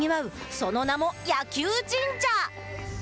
その名も箭弓神社。